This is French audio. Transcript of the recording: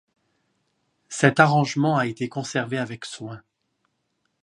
Cet arrangement a été conservé avec soin.